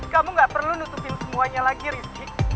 kamu gak perlu nutupin semuanya lagi rizky